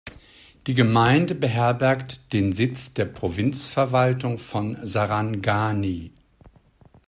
Die Gemeinde beherbergt den Sitz der Provinzverwaltung von Sarangani.